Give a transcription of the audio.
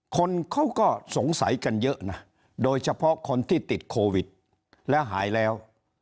คนเขาก็สงสัยกันเยอะนะโดยเฉพาะคนที่ติดโควิดแล้วหายแล้ว